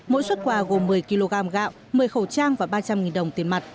mỗi xuất quà gồm một mươi kg gạo một mươi khẩu trang và ba trăm linh đồng tiền mặt